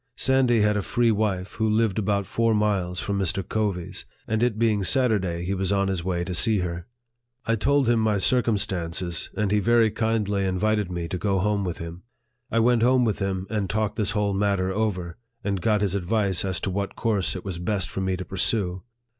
Sandy had a free wife who lived about four miles from Mr. Covey's ; and it being Saturday, he was on his way to see her. I told him my circumstances, and he very kindly invited me to go home with him. I went home with him, and talked this whole matter over, and got his ad vice as to what course it was best for me to pursue.